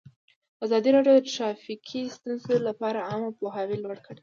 ازادي راډیو د ټرافیکي ستونزې لپاره عامه پوهاوي لوړ کړی.